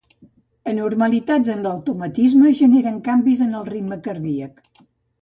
Anormalitats en l'automatisme generen canvis en el ritme cardíac.